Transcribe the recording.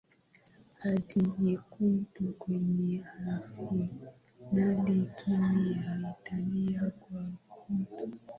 Kadi nyekundu kwenye fainali dhidi ya Italia kwa kumpiga